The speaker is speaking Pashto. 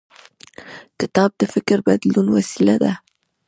کتاب د فکر بدلون وسیله ده.